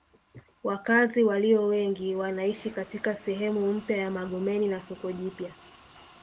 Wakazi walio wengi wanaishi katika sehemu mpya ya Magomeni na soko jipya